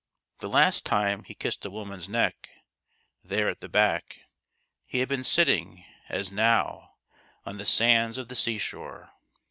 The last time he kissed a woman's neck, there at the back, he had been sitting, as now, on the sands of the seashore.